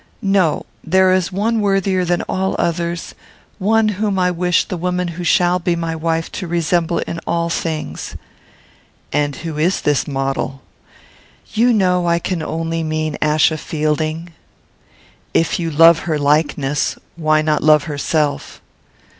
"No. There is one worthier than all others; one whom I wish the woman who shall be my wife to resemble in all things." "And who is this model?" "You know I can only mean Achsa Fielding." "If you love her likeness, why not love herself?"